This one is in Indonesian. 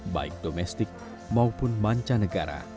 baik domestik maupun mancanegara